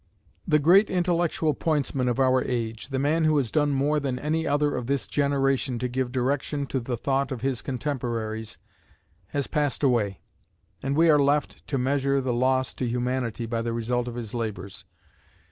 The great intellectual pointsman of our age the man who has done more than any other of this generation to give direction to the thought of his contemporaries has passed away; and we are left to measure the loss to humanity by the result of his labors.